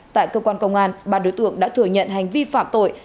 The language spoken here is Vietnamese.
tại cơ quan công an ba đối tượng đã thừa nhận hành vi phạm tội